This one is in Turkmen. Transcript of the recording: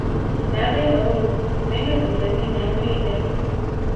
- Nädeýin, oglum? Meň elimden näme gelýär?